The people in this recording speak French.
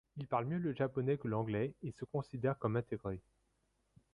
Il parle mieux le japonais que l'anglais et il se considère comme intégré.